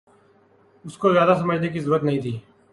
اس کو زیادہ سمجھنے کی ضرورت نہیں تھی